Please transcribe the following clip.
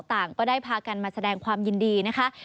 ต่างก็ได้พากันมาแสดงความยินดีนะคะ